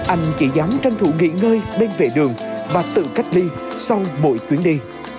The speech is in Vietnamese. anh chỉ dám tranh thủ nghỉ ngơi bên vệ đường và tự cách ly sau mỗi chuyến đi